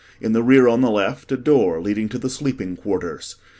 In the rear on the left, a door leading to the sleeping quarters.